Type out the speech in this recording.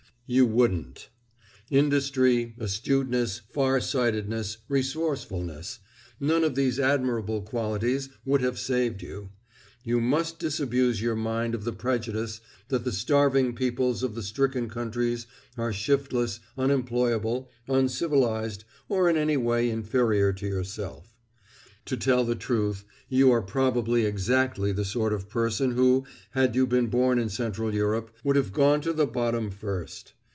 You wouldn't. Industry, astuteness, farsightedness, resourcefulness—none of these admirable qualities would have saved you. You must disabuse your mind of the prejudice that the starving peoples of the stricken countries are shiftless, unemployable, uncivilised, or in any way inferior to yourself. To tell the truth you are probably exactly the sort of person who, had you been born in Central Europe, would have gone to the bottom first.